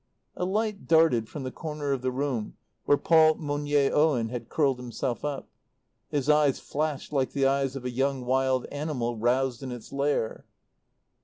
A light darted from the corner of the room where Paul Monier Owen had curled himself up. His eyes flashed like the eyes of a young wild animal roused in its lair.